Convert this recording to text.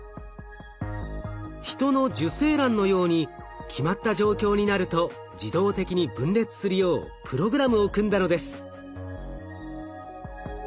ヒトの受精卵のように決まった状況になると自動的に分裂するようプログラムを組んだのです。